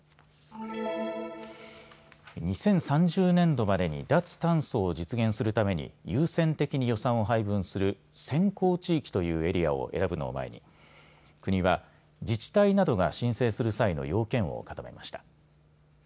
２０３０年度までに脱炭素を実現するために優先的に予算を配分する先行地域というエリアを選ぶのを前に国は自治体などが申請する際の要件を固めました。